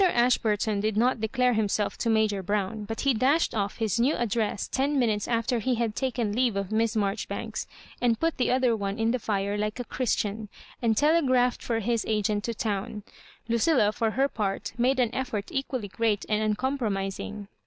Ashburton did not declare himself to Major Brown, but he dashed off his new address ten minutes after he had taken leave of Miss Marjori banks, and put the other one in the fire like a Christian, and telegraphed for his agent to town. Lucilla, for her part ^f^de an effort equally great and uncompromising.